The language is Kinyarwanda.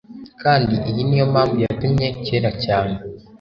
Kandi iyi niyo mpamvu yatumye kera cyane